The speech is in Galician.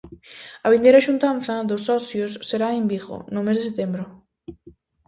A vindeira xuntanza dos socios será en Vigo no mes de setembro.